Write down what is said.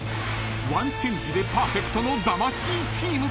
［ワンチェンジでパーフェクトの魂チーム］